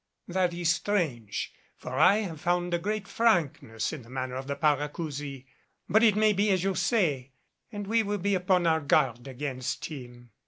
H m! That is strange, for I have found a great frankness in the manner of the Paracousi. But it may be as you say and we will be upon our guard against him.